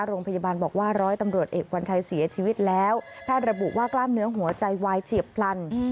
โรงพยาบาลบอกว่าร้อยตำรวจเอกวัญชัยเสียชีวิตแล้วแพทย์ระบุว่ากล้ามเนื้อหัวใจวายเฉียบพลัน